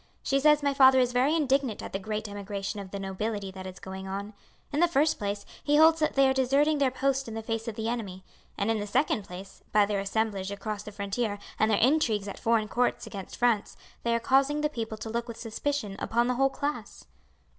She says my father is very indignant at the great emigration of the nobility that is going on. In the first place, he holds that they are deserting their post in the face of the enemy; and in the second place, by their assemblage across the frontier and their intrigues at foreign courts against France they are causing the people to look with suspicion upon the whole class."